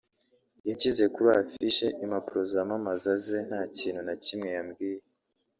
“Yanshyize kuri affiche(impapuro zamamaza) ze nta kintu na kimwe yambwiye